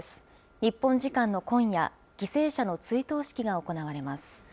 日本時間の今夜、犠牲者の追悼式が行われます。